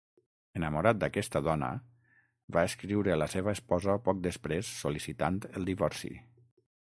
Enamorat d'aquesta dona, va escriure a la seva esposa poc després sol·licitant el divorci.